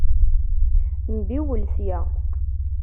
Mbiwel sya!